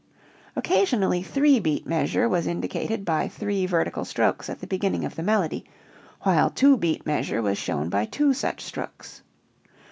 Occasionally three beat measure was indicated by three vertical strokes at the beginning of the melody, while two beat measure was shown by two such strokes.